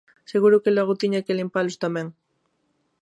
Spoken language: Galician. Seguro que logo tiña que limpalos tamén!